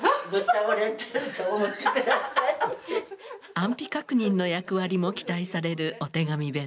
安否確認の役割も期待されるお手紙弁当。